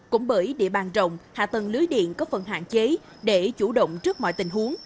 cũng bởi địa bàn rộng hạ tầng lưới điện có phần hạn chế để chủ động trước mọi tình huống